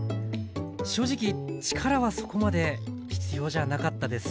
正直力はそこまで必要じゃなかったです。